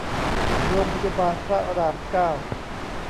โรงพยาบาลพระรามเก้า